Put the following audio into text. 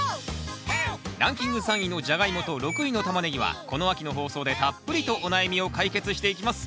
ランキング３位のジャガイモと６位のタマネギはこの秋の放送でたっぷりとお悩みを解決していきます。